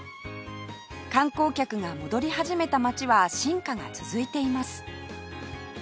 観光客が戻り始めた街は進化が続いています